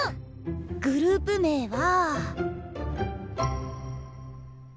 グループ名は。